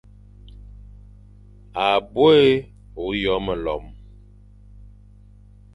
À bôe ôyo melom,